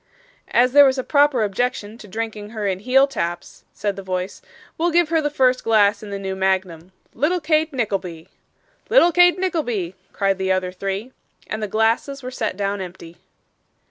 'As there was a proper objection to drinking her in heel taps,' said the voice, 'we'll give her the first glass in the new magnum. Little Kate Nickleby!' 'Little Kate Nickleby,' cried the other three. And the glasses were set down empty.